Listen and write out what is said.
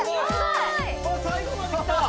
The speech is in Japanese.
最後まで来た！